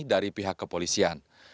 dari pihak kepolisian